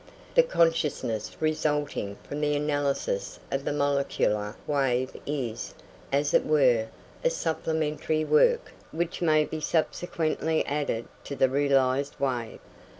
The consciousness resulting from the analysis of the molecular wave is, as it were, a supplementary work which may be subsequently added to the realised wave.